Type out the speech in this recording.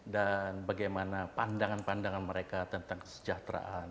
dan bagaimana pandangan pandangan mereka tentang kesejahteraan